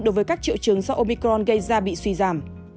đối với các triệu chứng do obicron gây ra bị suy giảm